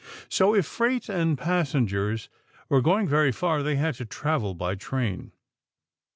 So if freight and passengers were going very far, they had to travel by train.